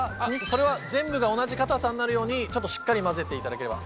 それは全部が同じかたさになるようにちょっとしっかり混ぜていただければ。